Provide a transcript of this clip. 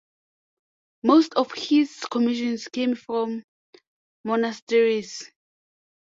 Most of his commissions came from monasteries.